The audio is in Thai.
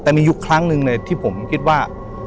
แต่มียุคครั้งหนึ่งเลยที่ผมคิดว่า